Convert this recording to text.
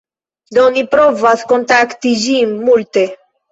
Do ni provas kontakti ĝin multe